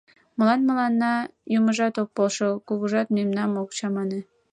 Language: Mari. Молан мыланна юмыжат ок полшо, кугыжат мемнам ок чамане!..